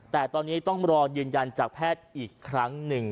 แต่ตอนนี้ต้องรอยืนยันจากแพทย์อีกครั้งหนึ่ง